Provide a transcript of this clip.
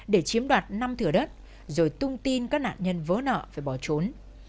để chiếm đoạt năm thửa đất rồi tung tin các nạn nhân vỡ nợ phải bỏ trốn